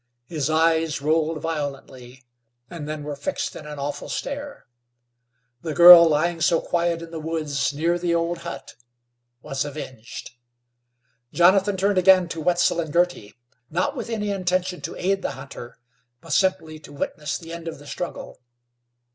His eyes rolled violently and then were fixed in an awful stare. The girl lying so quiet in the woods near the old hut was avenged! Jonathan turned again to Wetzel and Girty, not with any intention to aid the hunter, but simply to witness the end of the struggle.